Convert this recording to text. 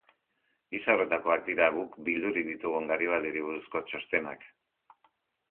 Gisa horretakoak dira guk bildurik ditugun Garibaldiri buruzko txostenak.